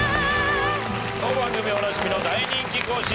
当番組おなじみの大人気講師